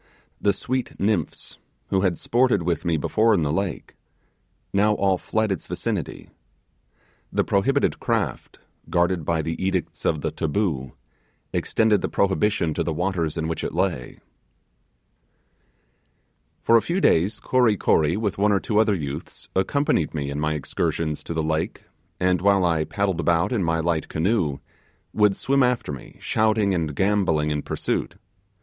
The sweet nymphs, who had sported with me before on the lake, now all fled its vicinity. The prohibited craft, guarded by the edicts of the 'taboo,' extended the prohibition to the waters in which it lay. For a few days, Kory Kory, with one or two other youths, accompanied me in my excursions to the lake, and while I paddled about in my light canoe, would swim after me shouting and gambolling in pursuit.